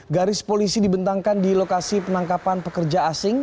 garis polisi dibentangkan di lokasi penangkapan pekerja asing